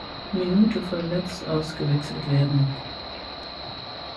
Minute verletzt ausgewechselt werden.